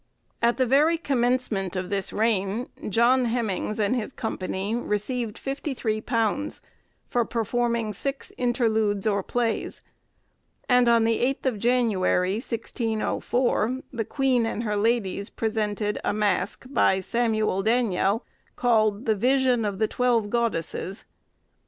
At the very commencement of this reign, John Hemynges and his company received £53 for performing six interludes or plays; and on the 8th of January, 1604, the queen and her ladies presented a mask, by Samuel Daniell, called the 'Vision of the Twelve Goddesses.